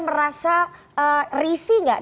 merasa risih gak